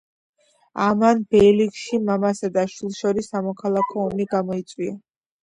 ამან ბეილიქში მამასა და შვილს შორის სამოქალაქო ომი გამოიწვია.